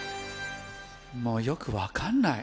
もうよく分かんない。